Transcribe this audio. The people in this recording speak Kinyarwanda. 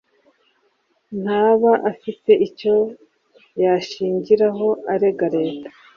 ntaba afite icyo yashingiraho arega Leta